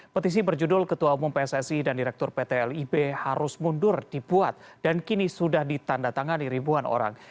petisi berjudul ketua umum pssi dan direktur pt lib harus mundur dibuat dan kini sudah ditanda tangani ribuan orang